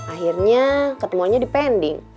akhirnya ketemuannya di pending